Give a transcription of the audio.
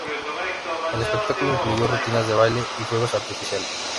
El espectáculo incluyó rutinas de baile y fuegos artificiales.